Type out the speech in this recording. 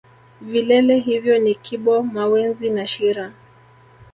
vilele hivyo ni kibo mawenzi na shira